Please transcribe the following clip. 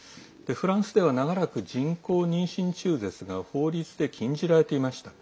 フランスでは長らく人工妊娠中絶が法律で禁じられていました。